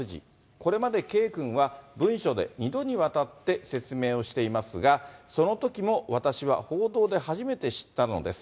これまで圭君は文書で２度にわたって説明をしていますが、そのときも私は報道で初めて知ったのです。